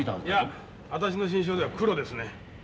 いや私の心証では黒ですね。